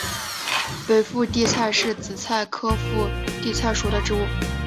北附地菜是紫草科附地菜属的植物。